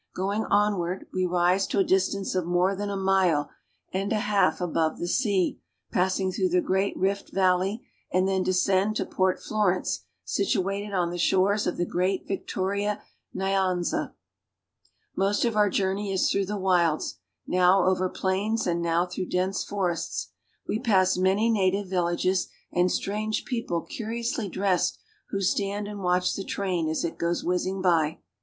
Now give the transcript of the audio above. Going onward, we rise to a distance of more than a mile ' and a half above the sea, passing through the great Rift valley, and then descend to Port Florence situated on the shores of the great Victoria Nyaiiza (Nyan'za). Most of our journey is through the wilds, now over I plains and now through dense forests. We pass many I jiative villages and strange people curiously dressed who 1 stand and watch the train as it goes whizzing by.